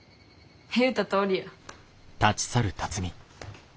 言うたとおりや。